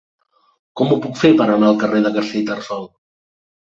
Com ho puc fer per anar al carrer de Castellterçol?